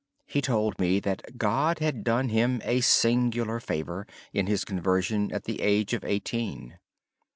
He told me that God had done him a singular favor in his conversion at the age of eighteen.